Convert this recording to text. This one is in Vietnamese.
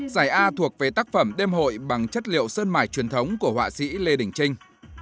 giải a thuộc về tác phẩm đêm hội bằng chất liệu sơn mải truyền thống của họa sĩ lê đình trinh